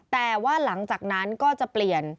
แต่ว่าหลังจากนั้นก็จะเปลี่ยน